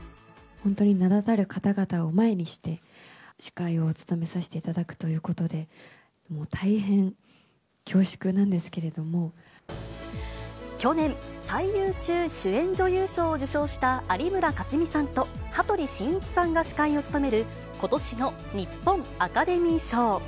本当に名だたる方々を前にして、司会を務めさせていただくということで、もう大変恐縮なんで去年、最優秀主演女優賞を受賞した有村架純さんと、羽鳥慎一さんが司会を務める、ことしの日本アカデミー賞。